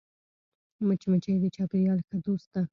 مچمچۍ د چاپېریال ښه دوست ده